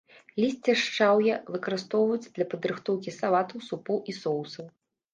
Лісце шчаўя выкарыстоўваюць для падрыхтоўкі салатаў, супоў і соусаў.